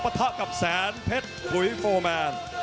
ประทับกับแสนเพชรปุ๋ยโฟร์แมน